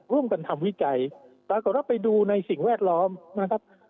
ร่วมกันทำวิจัยปรากฏว่าไปดูในสิ่งแวดล้อมนะครับ